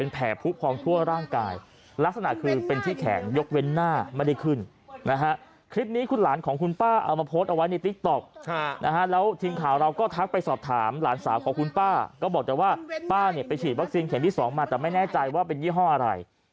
เออเข็มสองมันเว้นหน้าอย่างเดียวนะถ้าหน้าเป็นไม่ต้องเป็นไหนแหละ